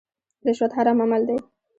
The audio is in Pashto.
رشوت حرام عمل دی.